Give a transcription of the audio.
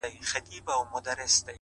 اخلاق د انسان تلپاتې شهرت دی,